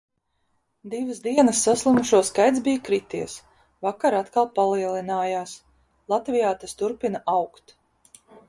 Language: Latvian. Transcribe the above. Divas dienas saslimušo skaits bija krities. Vakar atkal palielinājās. Latvijā tas turpina augt.